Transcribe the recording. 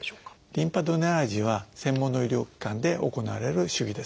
リンパドレナージは専門の医療機関で行われる手技です。